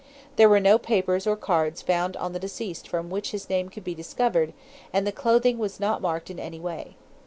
There were no papers or cards found on the deceased from which his name could be discovered, and the clothing was not marked in any way.